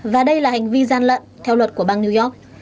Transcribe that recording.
và đây là hành vi gian lận theo luật của bang new york